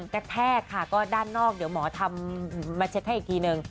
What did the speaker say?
แทกค่ะก็ด้านนอกเดี๋ยวหมอทำมาเช็ดให้อีกทีนึง